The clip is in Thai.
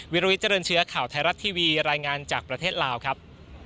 วิลวิทเจริญเชื้อข่าวไทยรัฐทีวีรายงานจากประเทศลาวครับ